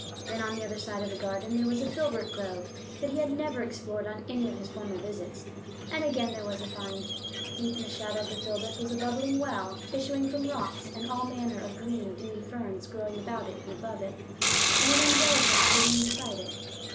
Then on the other side of the garden there was a filbert grove that he had never explored on any of his former visits; and again there was a find. Deep in the shadow of the filberts was a bubbling well, issuing from rocks, and all manner of green, dewy ferns growing about it and above it, and an angelica springing beside it.